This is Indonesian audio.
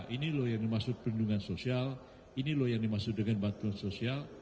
ini loh yang dimaksud perlindungan sosial ini loh yang dimaksud dengan bantuan sosial